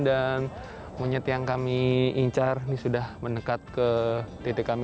dan monyet yang kami incar ini sudah mendekat ke titik kami